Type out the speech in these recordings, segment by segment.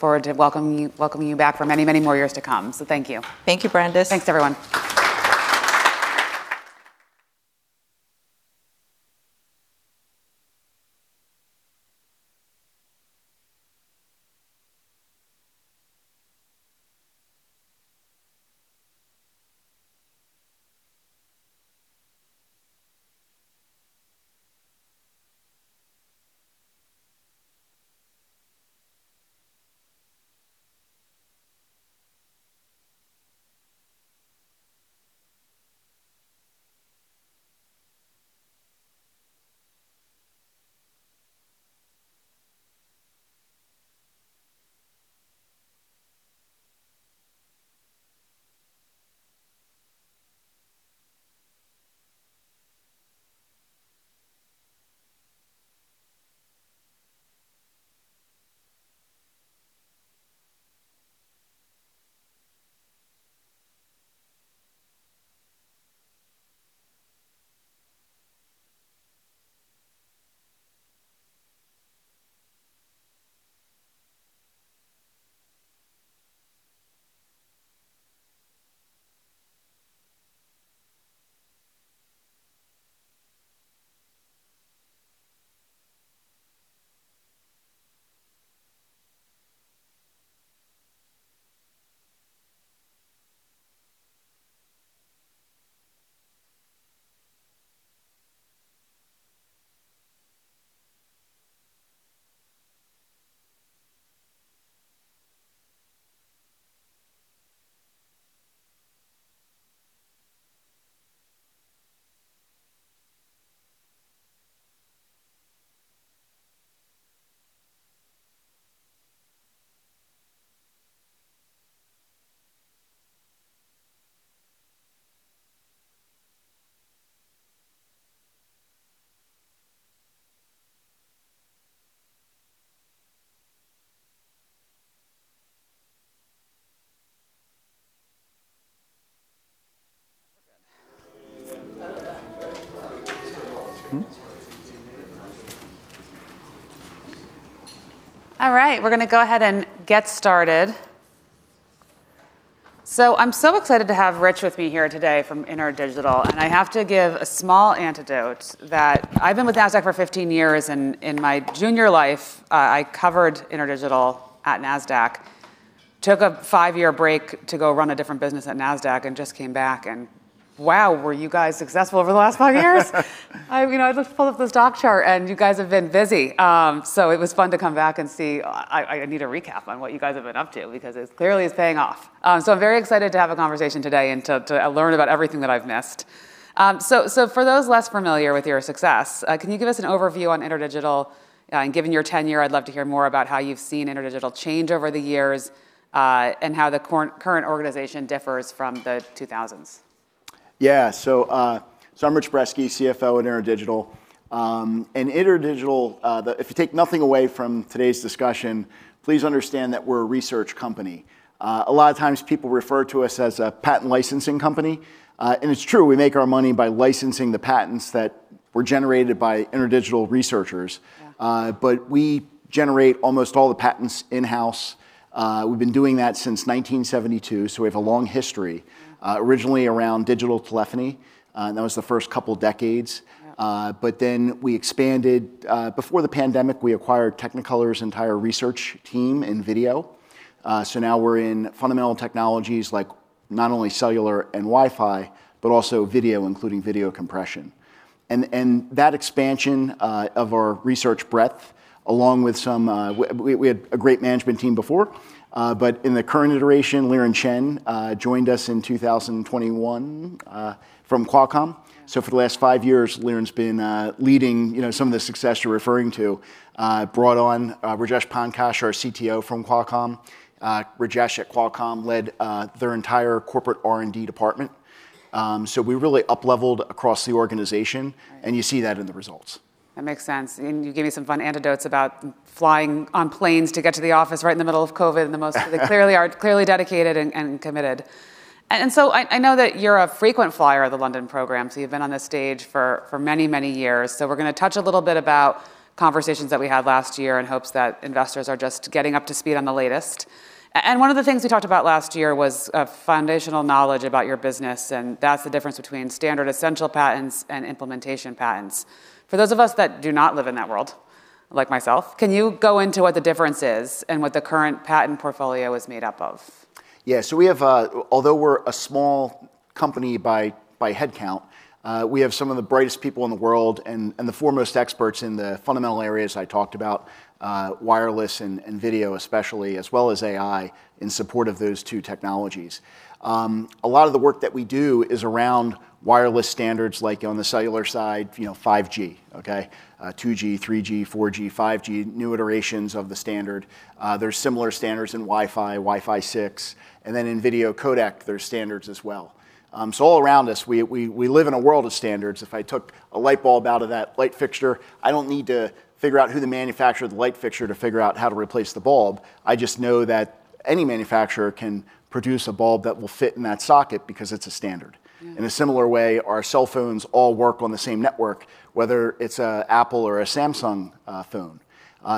Welcome you back for many, many more years to come. So, thank you. Thank you, Brandis. Thanks, everyone. Okay. All right, we're going to go ahead and get started, so I'm so excited to have Rich with me here today from INTERDIGITAL, and I have to give a small anecdote that I've been with Nasdaq for 15 years, and in my junior life, I covered INTERDIGITAL at Nasdaq, took a five-year break to go run a different business at Nasdaq, and just came back, and wow, were you guys successful over the last five years? You know, I looked at this stock chart, and you guys have been busy, so it was fun to come back and see. I need a recap on what you guys have been up to, because it clearly is paying off, so I'm very excited to have a conversation today and to learn about everything that I've missed. So for those less familiar with your success, can you give us an overview on INTERDIGITAL? And given your tenure, I'd love to hear more about how you've seen INTERDIGITAL change over the years and how the current organization differs from the 2000s. Yeah, so I'm Rich Brezski, CFO at INTERDIGITAL. And INTERDIGITAL, if you take nothing away from today's discussion, please understand that we're a research company. A lot of times, people refer to us as a patent licensing company. And it's true. We make our money by licensing the patents that were generated by INTERDIGITAL researchers. But we generate almost all the patents in-house. We've been doing that since 1972, so we have a long history, originally around digital telephony. And that was the first couple of decades. But then we expanded. Before the pandemic, we acquired Technicolor's entire research team in video. So now we're in fundamental technologies like not only cellular and Wi-Fi, but also video, including video compression. And that expansion of our research breadth, along with some we had a great management team before. But in the current iteration, Liren Chen joined us in 2021 from Qualcomm. So, for the last five years, Liren's been leading some of the success you're referring to. Brought on Rajesh Pankaj, our CTO from Qualcomm. Rajesh at Qualcomm led their entire corporate R&D department. So, we really upleveled across the organization. And you see that in the results. That makes sense. And you gave me some fun anecdotes about flying on planes to get to the office right in the middle of COVID. And they clearly are dedicated and committed. And so I know that you're a frequent flyer of the London program. So you've been on this stage for many, many years. So we're going to touch a little bit about conversations that we had last year in hopes that investors are just getting up to speed on the latest. And one of the things we talked about last year was foundational knowledge about your business. And that's the difference between standard essential patents and implementation patents. For those of us that do not live in that world, like myself, can you go into what the difference is and what the current patent portfolio is made up of? Yeah, so we have, although we're a small company by headcount, we have some of the brightest people in the world and the foremost experts in the fundamental areas I talked about, wireless and video especially, as well as AI in support of those two technologies. A lot of the work that we do is around wireless standards, like on the cellular side, 5G. Okay, 2G, 3G, 4G, 5G, new iterations of the standard. There's similar standards in Wi-Fi, Wi-Fi 6, and then in video codec, there's standards as well, so all around us, we live in a world of standards. If I took a light bulb out of that light fixture, I don't need to figure out who the manufacturer of the light fixture is to figure out how to replace the bulb. I just know that any manufacturer can produce a bulb that will fit in that socket because it's a standard. In a similar way, our cell phones all work on the same network, whether it's an Apple or a Samsung phone,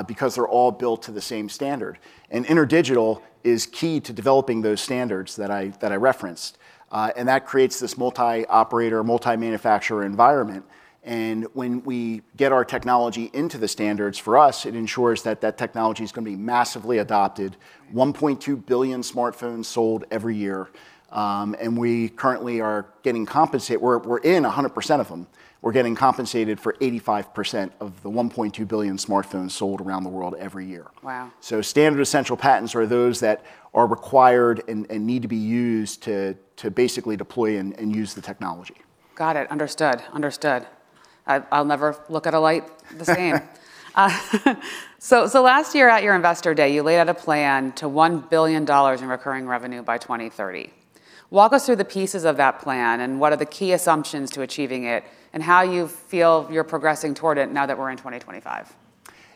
because they're all built to the same standard. And INTERDIGITAL is key to developing those standards that I referenced. And that creates this multi-operator, multi-manufacturer environment. And when we get our technology into the standards, for us, it ensures that that technology is going to be massively adopted. 1.2 billion smartphones sold every year. And we currently are getting compensated. We're in 100% of them. We're getting compensated for 85% of the 1.2 billion smartphones sold around the world every year. Standard essential patents are those that are required and need to be used to basically deploy and use the technology. Got it. Understood. I'll never look at a light the same, so last year at your Investor Day, you laid out a plan to $1 billion in recurring revenue by 2030. Walk us through the pieces of that plan and what are the key assumptions to achieving it and how you feel you're progressing toward it now that we're in 2025.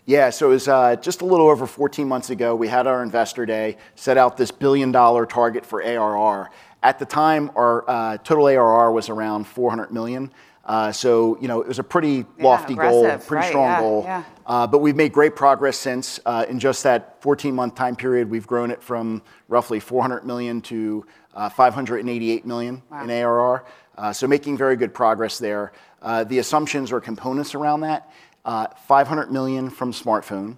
Yeah, so it was just a little over 14 months ago. We had our Investor Day set out this billion-dollar target for ARR. At the time, our total ARR was around $400 million, so it was a pretty lofty goal, pretty strong goal, but we've made great progress since. In just that 14-month time period, we've grown it from roughly $400 million to $588 million in ARR, so making very good progress there. The assumptions or components around that, $500 million from smartphone,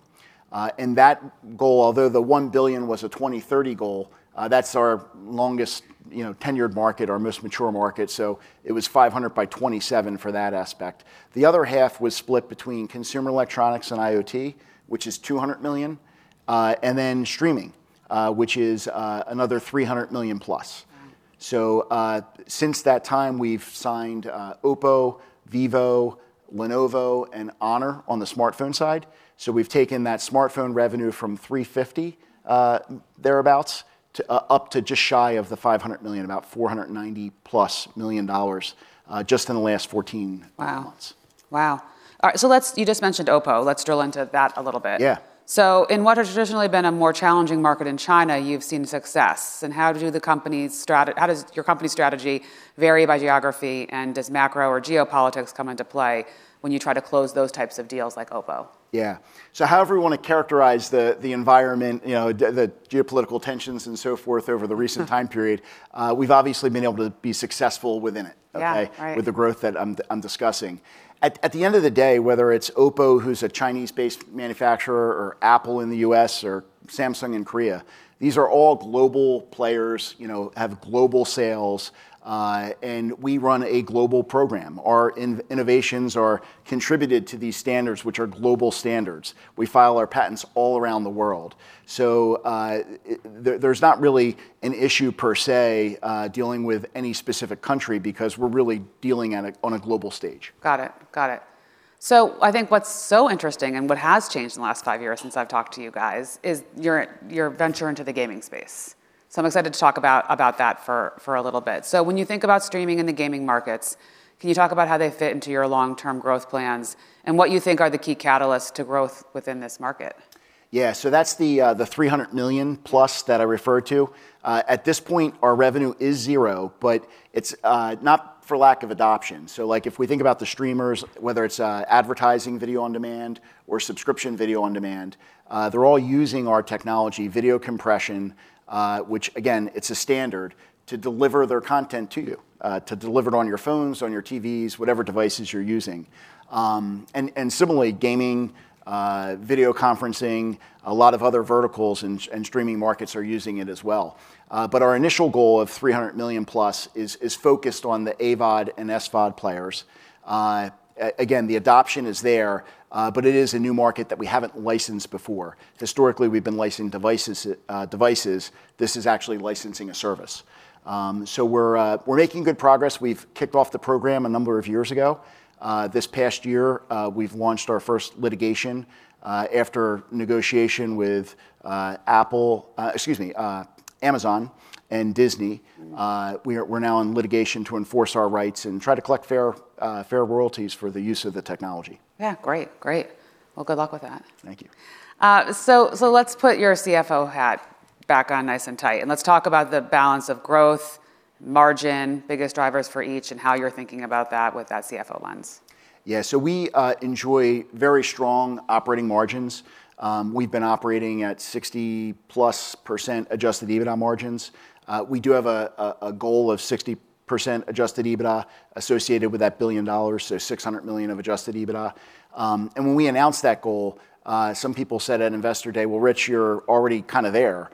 and that goal, although the $1 billion was a 2030 goal, that's our longest tenured market, our most mature market, so it was $500 million by 2027 for that aspect. The other half was split between consumer electronics and IoT, which is $200 million, and then streaming, which is another $300+ million, so since that time, we've signed Oppo, Vivo, Lenovo, and Honor on the smartphone side. So we've taken that smartphone revenue from $350 million thereabouts up to just shy of the $500 million, about $490+ million just in the last 14 months. Wow. All right, so you just mentioned Oppo. Let's drill into that a little bit. Yeah. So in what has traditionally been a more challenging market in China, you've seen success. And how do your company's strategy vary by geography? And does macro or geopolitics come into play when you try to close those types of deals like Oppo? Yeah. So however you want to characterize the environment, the geopolitical tensions and so forth over the recent time period, we've obviously been able to be successful within it with the growth that I'm discussing. At the end of the day, whether it's Oppo, who's a Chinese-based manufacturer, or Apple in the U.S., or Samsung in Korea, these are all global players, have global sales. And we run a global program. Our innovations are contributed to these standards, which are global standards. We file our patents all around the world. So there's not really an issue per se dealing with any specific country because we're really dealing on a global stage. Got it. So I think what's so interesting and what has changed in the last five years since I've talked to you guys is your venture into the gaming space. So I'm excited to talk about that for a little bit. So when you think about streaming in the gaming markets, can you talk about how they fit into your long-term growth plans and what you think are the key catalysts to growth within this market? Yeah, so that's the $300+ million that I referred to. At this point, our revenue is zero, but it's not for lack of adoption, so if we think about the streamers, whether it's advertising video on demand or subscription video on demand, they're all using our technology, video compression, which, again, it's a standard to deliver their content to you, to deliver it on your phones, on your TVs, whatever devices you're using, and similarly, gaming, video conferencing, a lot of other verticals and streaming markets are using it as well, but our initial goal of $300+ million is focused on the AVOD and SVOD players. Again, the adoption is there, but it is a new market that we haven't licensed before. Historically, we've been licensing devices. This is actually licensing a service, so we're making good progress. We've kicked off the program a number of years ago. This past year, we've launched our first litigation after negotiation with Apple, excuse me, Amazon, and Disney. We're now in litigation to enforce our rights and try to collect fair royalties for the use of the technology. Yeah, great. Well, good luck with that. Thank you. So let's put your CFO hat back on nice and tight. And let's talk about the balance of growth, margin, biggest drivers for each, and how you're thinking about that with that CFO lens. Yeah, so we enjoy very strong operating margins. We've been operating at 60+ percent Adjusted EBITDA margins. We do have a goal of 60% Adjusted EBITDA associated with that $1 billion, so $600 million of Adjusted EBITDA. And when we announced that goal, some people said at Investor Day, "Well, Rich, you're already kind of there.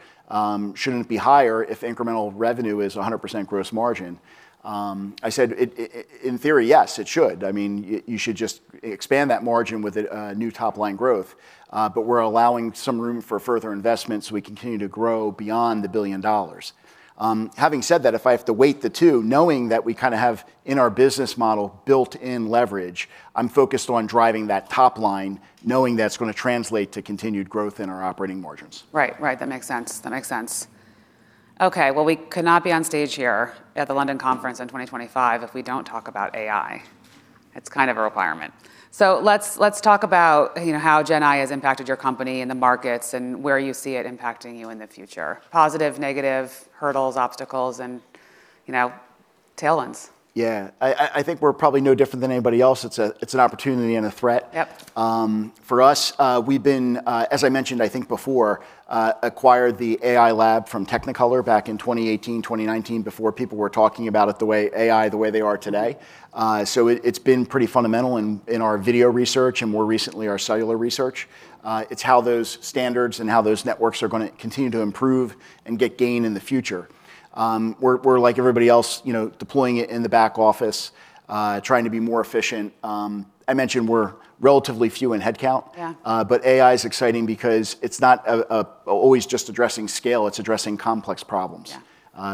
Shouldn't it be higher if incremental revenue is 100% gross margin?" I said, "In theory, yes, it should. I mean, you should just expand that margin with a new top-line growth." But we're allowing some room for further investments so we continue to grow beyond the $1 billion. Having said that, if I have to weigh the two, knowing that we kind of have in our business model built-in leverage, I'm focused on driving that top line, knowing that's going to translate to continued growth in our operating margins. Right. That makes sense. Okay, well, we could not be on stage here at the London conference in 2025 if we don't talk about AI. It's kind of a requirement. So let's talk about how Gen AI has impacted your company and the markets and where you see it impacting you in the future. Positive, negative, hurdles, obstacles, and tailwinds. Yeah, I think we're probably no different than anybody else. It's an opportunity and a threat. For us, we've been, as I mentioned, I think before, acquired the AI lab from Technicolor back in 2018, 2019, before people were talking about it the way AI, the way they are today. So it's been pretty fundamental in our video research and more recently our cellular research. It's how those standards and how those networks are going to continue to improve and get gain in the future. We're, like everybody else, deploying it in the back office, trying to be more efficient. I mentioned we're relatively few in headcount. But AI is exciting because it's not always just addressing scale. It's addressing complex problems.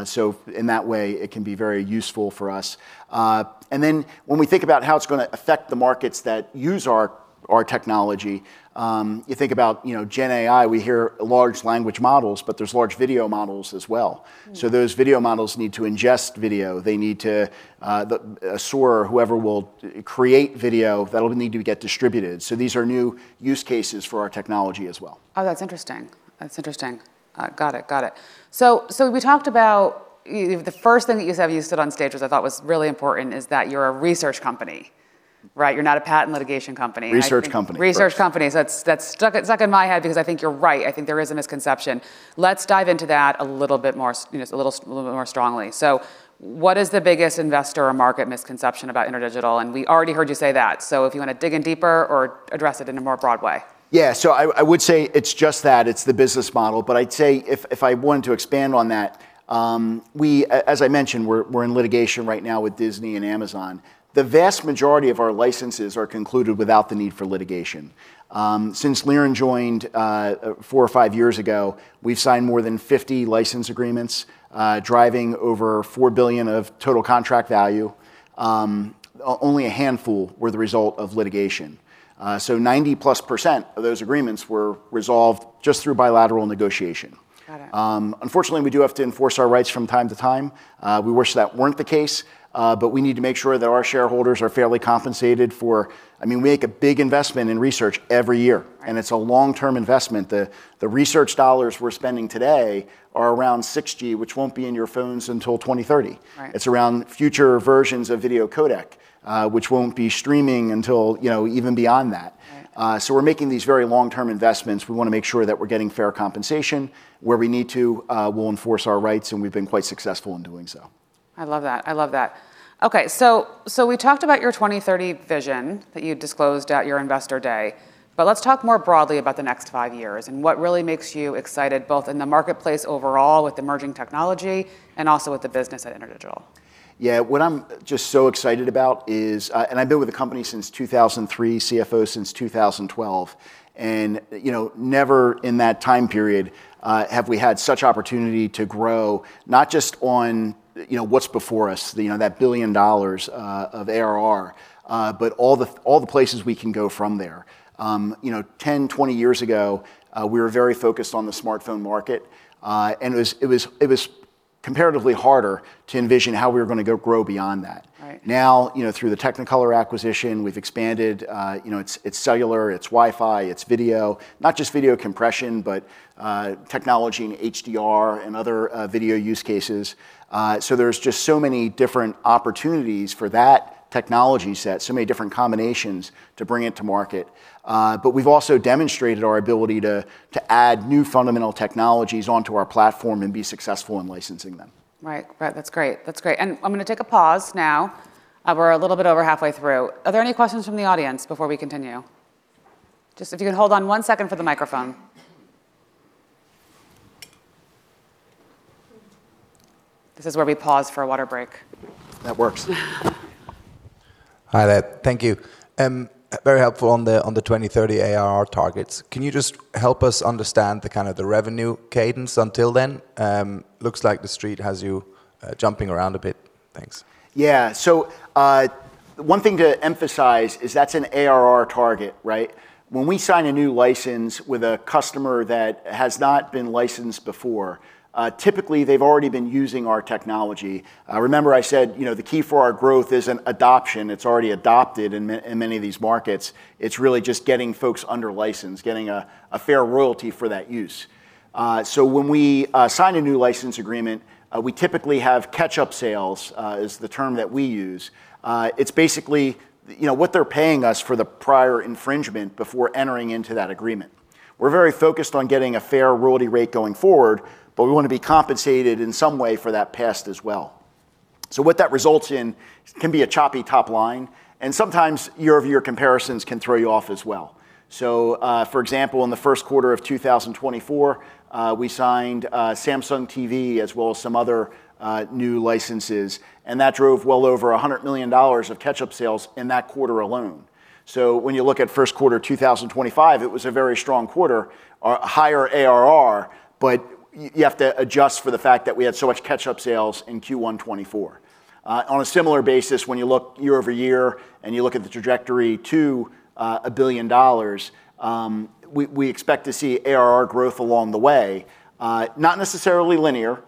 So in that way, it can be very useful for us. And then when we think about how it's going to affect the markets that use our technology, you think about Gen AI. We hear large language models, but there's large video models as well. So those video models need to ingest video. They need to assure whoever will create video that will need to get distributed. So these are new use cases for our technology as well. Oh, that's interesting. Got it. So we talked about the first thing that you said when you stood on stage was I thought was really important is that you're a research company. Right? You're not a patent litigation company. Research company. Research company. So that's stuck in my head because I think you're right. I think there is a misconception. Let's dive into that a little bit more strongly. So what is the biggest investor or market misconception about INTERDIGITAL? And we already heard you say that. So if you want to dig in deeper or address it in a more broad way. Yeah, so I would say it's just that. It's the business model. But I'd say if I wanted to expand on that, as I mentioned, we're in litigation right now with Disney and Amazon. The vast majority of our licenses are concluded without the need for litigation. Since Liren joined four or five years ago, we've signed more than 50 license agreements, driving over $4 billion of total contract value. Only a handful were the result of litigation. So 90+ percent of those agreements were resolved just through bilateral negotiation. Unfortunately, we do have to enforce our rights from time to time. We wish that weren't the case. But we need to make sure that our shareholders are fairly compensated for, I mean, we make a big investment in research every year. And it's a long-term investment. The research dollars we're spending today are around 6G, which won't be in your phones until 2030. It's around future versions of video codec, which won't be streaming until even beyond that, so we're making these very long-term investments. We want to make sure that we're getting fair compensation. Where we need to, we'll enforce our rights, and we've been quite successful in doing so. I love that. OK, so we talked about your 2030 vision that you disclosed at your Investor Day. But let's talk more broadly about the next five years and what really makes you excited both in the marketplace overall with emerging technology and also with the business at INTERDIGITAL. Yeah, what I'm just so excited about is, and I've been with the company since 2003, CFO since 2012. And never in that time period have we had such opportunity to grow, not just on what's before us, that $1 billion of ARR, but all the places we can go from there. 10-20 years ago, we were very focused on the smartphone market. And it was comparatively harder to envision how we were going to grow beyond that. Now, through the Technicolor acquisition, we've expanded. It's cellular. It's Wi-Fi. It's video. Not just video compression, but technology and HDR and other video use cases. So there's just so many different opportunities for that technology set, so many different combinations to bring it to market. But we've also demonstrated our ability to add new fundamental technologies onto our platform and be successful in licensing them. Right. That's great. And I'm going to take a pause now. We're a little bit over halfway through. Are there any questions from the audience before we continue? Just if you can hold on one second for the microphone. This is where we pause for a water break. That works. Hi there, thank you. Very helpful on the 2030 ARR targets. Can you just help us understand the kind of revenue cadence until then? Looks like the street has you jumping around a bit. Thanks. Yeah, so one thing to emphasize is that's an ARR target, right? When we sign a new license with a customer that has not been licensed before, typically they've already been using our technology. Remember I said the key for our growth isn't adoption. It's already adopted in many of these markets. It's really just getting folks under license, getting a fair royalty for that use. So when we sign a new license agreement, we typically have catch-up sales is the term that we use. It's basically what they're paying us for the prior infringement before entering into that agreement. We're very focused on getting a fair royalty rate going forward, but we want to be compensated in some way for that past as well. So what that results in can be a choppy top line. And sometimes year-over-year comparisons can throw you off as well. So for example, in the first quarter of 2024, we signed Samsung TV as well as some other new licenses. And that drove well over $100 million of catch-up sales in that quarter alone. So when you look at first quarter 2025, it was a very strong quarter, a higher ARR, but you have to adjust for the fact that we had so much catch-up sales in Q1 2024. On a similar basis, when you look year-over-year and you look at the trajectory to $1 billion, we expect to see ARR growth along the way, not necessarily linear.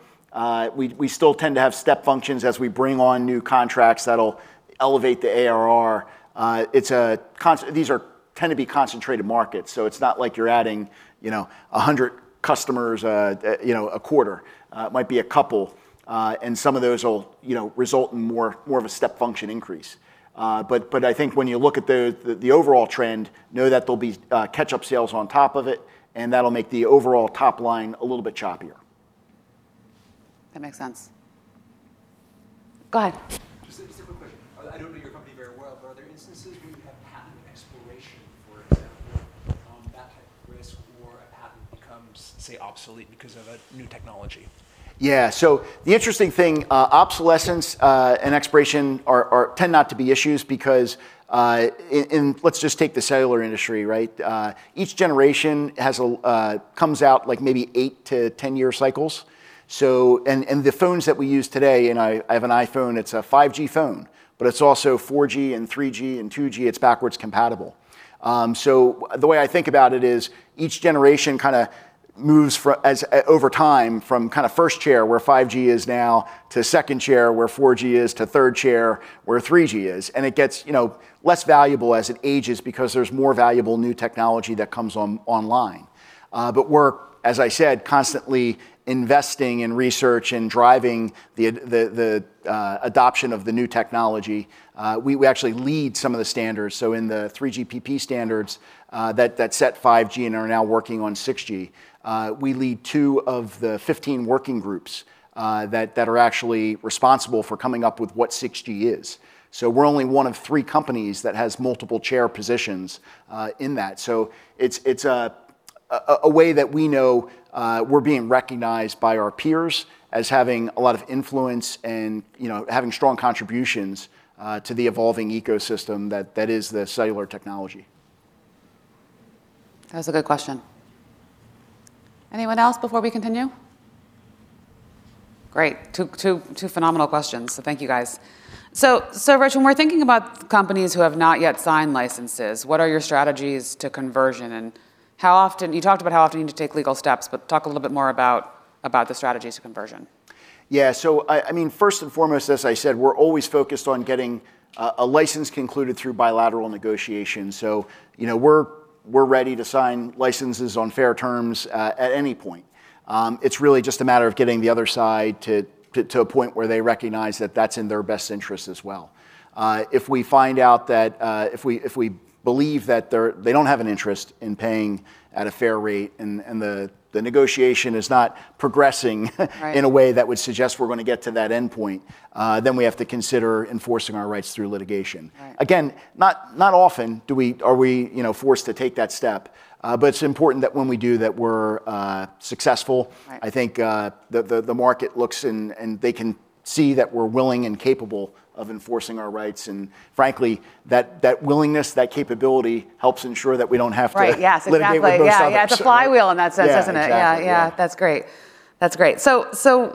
We still tend to have step functions as we bring on new contracts that'll elevate the ARR. These tend to be concentrated markets. So it's not like you're adding 100 customers a quarter. It might be a couple. And some of those will result in more of a step function increase. But I think when you look at the overall trend, know that there'll be catch-up sales on top of it. And that'll make the overall top line a little bit choppier. That makes sense. Go ahead. Just a quick question. I don't know your company very well, but are there instances where you have patent expiration, for example, that type of risk, or a patent becomes, say, obsolete because of a new technology? Yeah, so the interesting thing, obsolescence and expiration tend not to be issues because let's just take the cellular industry, right? Each generation comes out like maybe 8-10-year cycles. And the phones that we use today, and I have an iPhone, it's a 5G phone. But it's also 4G and 3G and 2G. It's backwards compatible. So the way I think about it is each generation kind of moves over time from kind of first chair, where 5G is now, to second chair, where 4G is, to third chair, where 3G is. And it gets less valuable as it ages because there's more valuable new technology that comes online. But we're, as I said, constantly investing in research and driving the adoption of the new technology. We actually lead some of the standards. So in the 3GPP standards that set 5G and are now working on 6G, we lead two of the 15 working groups that are actually responsible for coming up with what 6G is. So we're only one of three companies that has multiple chair positions in that. So it's a way that we know we're being recognized by our peers as having a lot of influence and having strong contributions to the evolving ecosystem that is the cellular technology. That was a good question. Anyone else before we continue? Great. Two phenomenal questions, so thank you, guys, so Rich, when we're thinking about companies who have not yet signed licenses, what are your strategies to conversion, and you talked about how often you need to take legal steps, but talk a little bit more about the strategies to conversion. Yeah, so I mean, first and foremost, as I said, we're always focused on getting a license concluded through bilateral negotiation. So we're ready to sign licenses on fair terms at any point. It's really just a matter of getting the other side to a point where they recognize that that's in their best interest as well. If we find out that we believe that they don't have an interest in paying at a fair rate and the negotiation is not progressing in a way that would suggest we're going to get to that end point, then we have to consider enforcing our rights through litigation. Again, not often are we forced to take that step. But it's important that when we do that we're successful. I think the market looks and they can see that we're willing and capable of enforcing our rights. And frankly, that willingness, that capability helps ensure that we don't have to. Right. Yeah, it's a flywheel in that sense, isn't it? Yeah, that's great. That's great. So,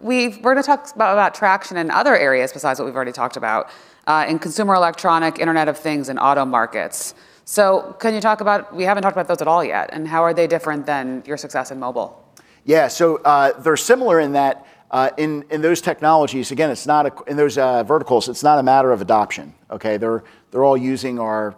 we're going to talk about traction in other areas besides what we've already talked about in consumer electronics, Internet of Things, and auto markets. So, can you talk about, we haven't talked about those at all yet, and how are they different than your success in mobile? Yeah, so they're similar in that in those technologies, again, it's not in those verticals, it's not a matter of adoption. OK, they're all using our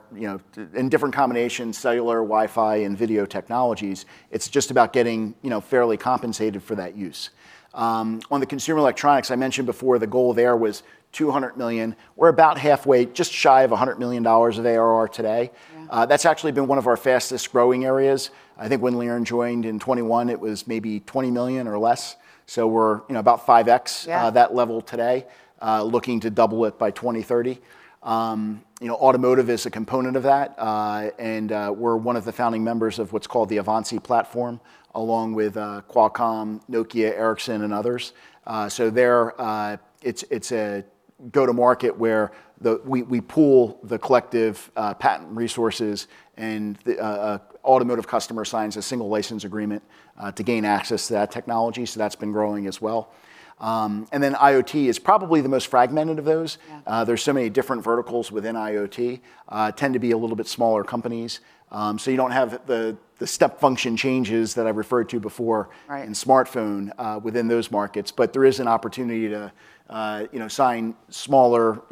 in different combinations, cellular, Wi-Fi, and video technologies. It's just about getting fairly compensated for that use. On the consumer electronics, I mentioned before the goal there was $200 million. We're about halfway, just shy of $100 million of ARR today. That's actually been one of our fastest growing areas. I think when Liren joined in 2021, it was maybe $20 million or less, so we're about 5x that level today, looking to double it by 2030. Automotive is a component of that, and we're one of the founding members of what's called the Avanci platform, along with Qualcomm, Nokia, Ericsson, and others, so it's a go-to-market where we pool the collective patent resources. An automotive customer signs a single license agreement to gain access to that technology. So that's been growing as well. And then IoT is probably the most fragmented of those. There's so many different verticals within IoT, tend to be a little bit smaller companies. So you don't have the step function changes that I referred to before in smartphones within those markets. But there is an opportunity to sign smaller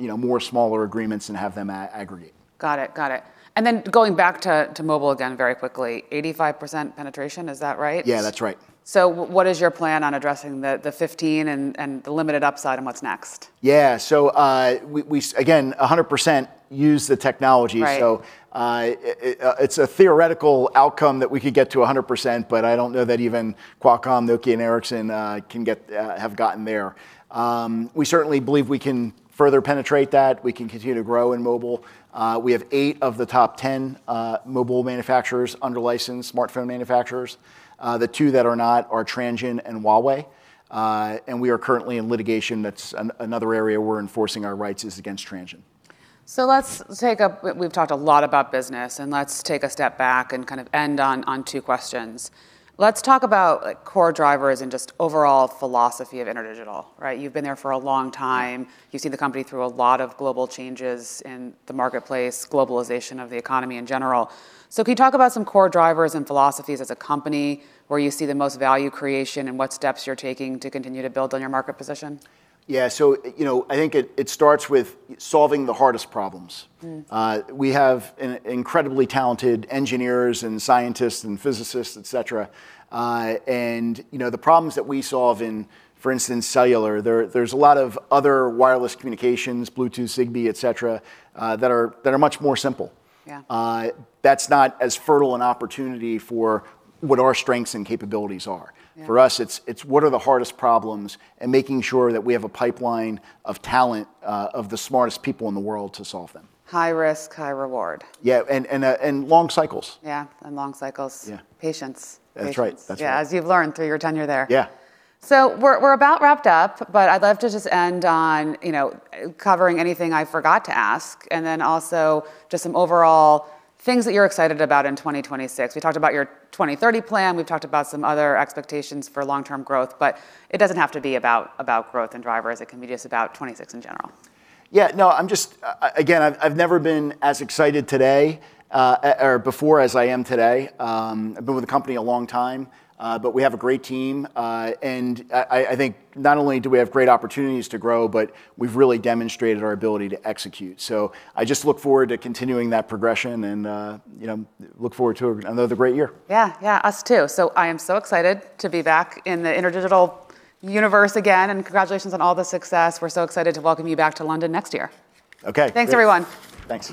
agreements and have them aggregate. Got it. And then going back to mobile again very quickly, 85% penetration, is that right? Yeah, that's right. So what is your plan on addressing the 15% and the limited upside and what's next? Yeah, so we, again, 100% use the technology. So it's a theoretical outcome that we could get to 100%. But I don't know that even Qualcomm, Nokia, and Ericsson have gotten there. We certainly believe we can further penetrate that. We can continue to grow in mobile. We have eight of the top 10 mobile manufacturers under license, smartphone manufacturers. The two that are not are Transsion and Huawei. And we are currently in litigation. That's another area we're enforcing our rights is against Transsion. So we've talked a lot about business. And let's take a step back and kind of end on two questions. Let's talk about core drivers and just overall philosophy of INTERDIGITAL, right? You've been there for a long time. You've seen the company through a lot of global changes in the marketplace, globalization of the economy in general. So can you talk about some core drivers and philosophies as a company where you see the most value creation and what steps you're taking to continue to build on your market position? Yeah, so I think it starts with solving the hardest problems. We have incredibly talented engineers and scientists and physicists, et cetera. And the problems that we solve in, for instance, cellular, there's a lot of other wireless communications, Bluetooth, Zigbee, et cetera, that are much more simple. That's not as fertile an opportunity for what our strengths and capabilities are. For us, it's what are the hardest problems and making sure that we have a pipeline of talent, of the smartest people in the world to solve them. High risk, high reward. Yeah, and long cycles. Yeah, and long cycles. Patience. That's right. Yeah, as you've learned through your tenure there. Yeah. So we're about wrapped up. But I'd love to just end on covering anything I forgot to ask. And then also just some overall things that you're excited about in 2026. We talked about your 2030 plan. We've talked about some other expectations for long-term growth. But it doesn't have to be about growth and drivers. It can be just about 2026 in general. Yeah, no, I'm just again, I've never been as excited today or before as I am today. I've been with the company a long time. But we have a great team. And I think not only do we have great opportunities to grow, but we've really demonstrated our ability to execute. So, I just look forward to continuing that progression and look forward to another great year. Yeah, us too. So, I am so excited to be back in the INTERDIGITAL universe again, and congratulations on all the success. We're so excited to welcome you back to London next year. Okay. Thanks, everyone. Thanks.